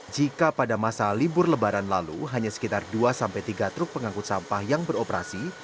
jika pada masa libur lebaran lalu hanya sekitar dua tiga truk pengangkut sampah yang beroperasi